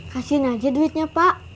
kasih saja duitnya pak